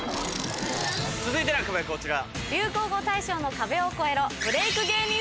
続いての壁はこちら。